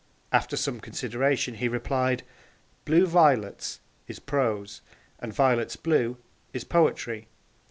After some consideration he replied, '"blue violets" is prose, and "violets blue" is poetry.'